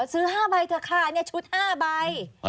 ซื้อ๕ใบเถอะค่ะอันนี้ชุด๕ใบ